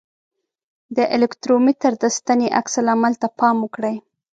د الکترومتر د ستنې عکس العمل ته پام وکړئ.